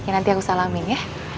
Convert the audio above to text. nanti aku salamin ya